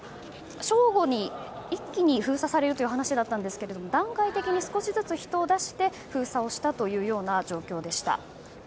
正午に一気に封鎖されるという話だったんですけれども段階的に少しずつ人を出して封鎖をしたという状況でした。